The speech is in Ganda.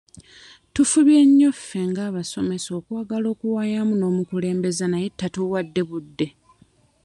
Tufubye nnyo ffe ng'abasomesa okwagala okuwayaamu n'omukulembeze naye tatuwadde budde.